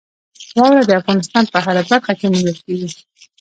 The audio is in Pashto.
واوره د افغانستان په هره برخه کې موندل کېږي.